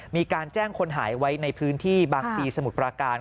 มีการแจ้งคนหายไว้ในพื้นที่บางตีสมุทรปราการ